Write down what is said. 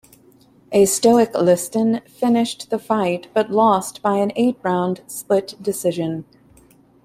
A stoic Liston finished the fight but lost by an eight-round split decision.